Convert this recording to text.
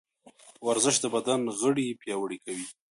ورزش د بدن غړي پیاوړي کوي.